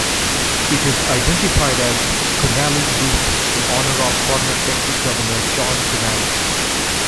It is identified as Connally Loop in honor of former Texas governor John Connally.